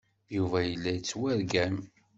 Yuba yella yettwargam.